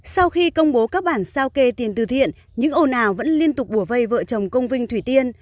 sau khi công bố các bản sao kê tiền từ thiện những ồ nào vẫn liên tục bùa vây vợ chồng công vinh thủy tiên